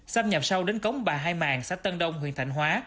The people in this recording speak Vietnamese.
xâm nhập sâu đến cống bà hai màng xã tân đông huyện thạnh hóa